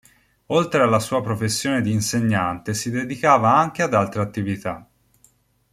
Oltre alla sua professione di insegnante si dedicava anche ad altre attività.